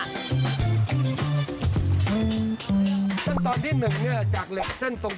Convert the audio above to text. ขั้นตอนที่๑เนี่ยจากเหล็กเส้นตรง